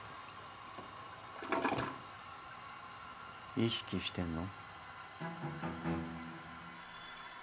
意識してんの？